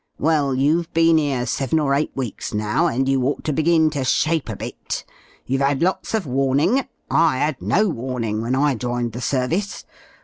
Well, you^ve been *ere seven or eight weeks now and you ought to begin to shape a bit. You've 'ad lots of warning; I 'ad no warning when 1 joined the service.